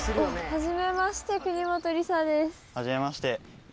はじめまして。